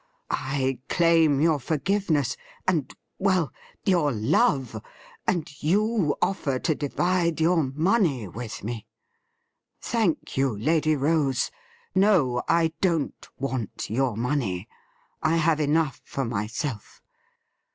I claim yom* forgiveness, and — ^well — ^your love ; and you offer to divide yoiu money with me ! Thank you, Lady Rose ; no, I don't want yom* money. I have enough for myself.